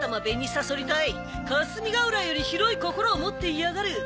さそり隊霞ヶ浦より広い心を持っていやがる。